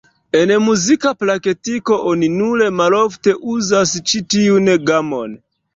En muzika praktiko oni nur malofte uzas ĉi tiun gamon.